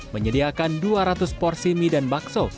menyediakan dua ratus porsi mie dan bakso